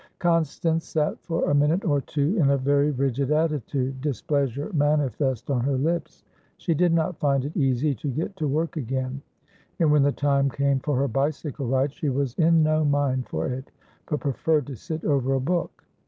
Constance sat for a minute or two in a very rigid attitude, displeasure manifest on her lips. She did not find it easy to get to work again, and when the time came for her bicycle ride, she was in no mind for it, but preferred to sit over a book.